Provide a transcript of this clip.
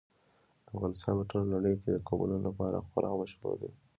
افغانستان په ټوله نړۍ کې د قومونه لپاره خورا مشهور دی.